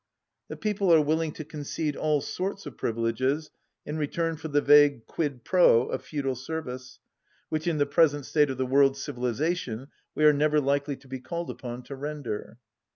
The People are willing to concede all sorts of privileges in return for the vague quid pro of feudal service, which in the present state of the world's civilization we are never likely to be called upon to render.